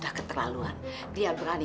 hei kau kenal